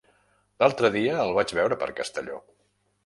L'altre dia el vaig veure per Castelló.